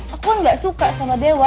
aku gak suka sama dewa